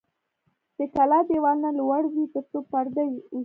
د کلا دیوالونه لوړ وي ترڅو پرده وشي.